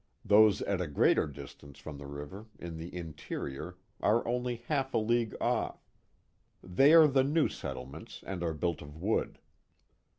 Those at a greater distance from the river in the interior are about half a league off; they are the new settlements and are built of wood.